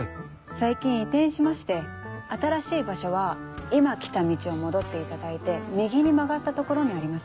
最近移転しまして新しい場所は今来た道を戻っていただいて右に曲がった所にあります。